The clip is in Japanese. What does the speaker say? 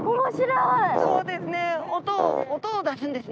そうですね。